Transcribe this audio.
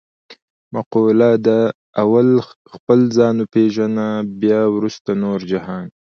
مقوله ده: اول خپل ځان و پېژنه بیا ورسته نور جهان.